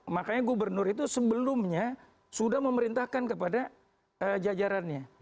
makanya gubernur itu sebelumnya sudah memerintahkan kepada jajarannya